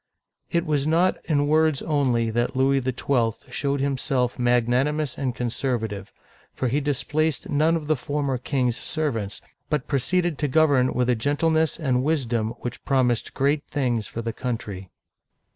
It was not in words only that Louis XII. showed himself magnanimous and conservative, for he displaced none of the former king's servants, but proceeded to govern with a gentleness and wisdom which promised great things for the country.